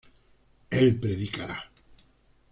él predicará